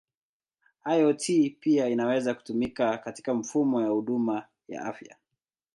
IoT pia inaweza kutumika katika mifumo ya huduma ya afya.